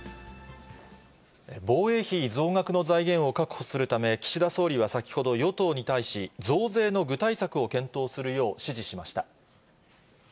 防衛費増額の財源を確保するため、岸田総理は先ほど与党に対し、増税の具体策を検討するよう指示しました。